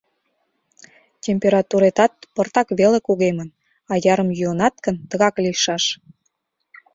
Температуретат пыртак веле кугемын, аярым йӱынат гын, тыгак лийшаш.